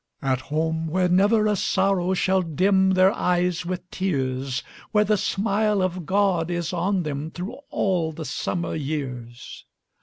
At home, where never a sorrow Shall dim their eyes with tears! Where the smile of God is on them Through all the summer years!